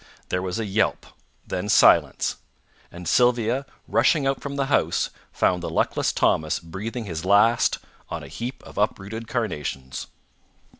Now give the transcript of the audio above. There was a yelp; then silence. And Sylvia, rushing out from the house, found the luckless Thomas breathing his last on a heap of uprooted carnations.